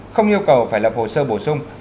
không yêu cầu phải lập hồ sơ bổ sung